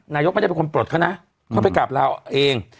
นายกไม่ได้เป็นคนปลดเขานะเขาไปกราบลาเอาเอง